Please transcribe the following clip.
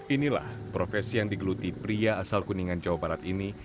inilah profesi yang digeluti pria asal kuningan jawa barat ini